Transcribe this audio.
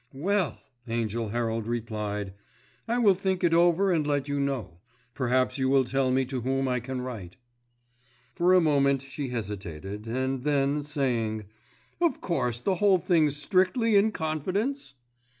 "Well!" Angell Herald replied, "I will think it over and let you know. Perhaps you will tell me to whom I can write." For a moment she hesitated, and then saying, "Of course the whole thing's strictly in confidence?"